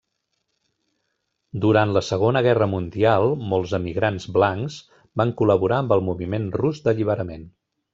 Durant la Segona Guerra Mundial, molts emigrants blancs van col·laborar amb el Moviment Rus d'Alliberament.